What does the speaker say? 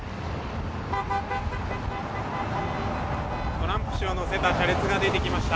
トランプ氏を乗せた車列が出てきました。